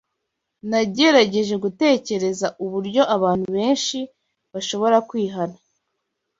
Nagerageje gutekereza uburyo abantu benshi bashobora kwihana